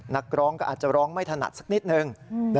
นักร้องก็อาจจะร้องไม่ถนัดสักนิดนึง